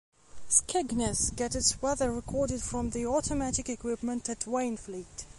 Skegness gets its weather recorded from the automatic equipment at Wainfleet.